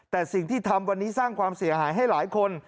แต่สิ่งที่ทำวันนี้สร้างความเสียหายให้หลายคน